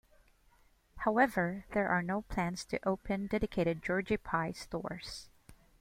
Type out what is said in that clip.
However, there are no plans to open dedicated Georgie Pie stores.